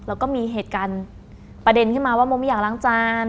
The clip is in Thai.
แล้วก็มีเหตุการณ์ประเด็นขึ้นมาว่าโมไม่อยากล้างจาน